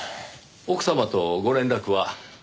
奥様とご連絡は？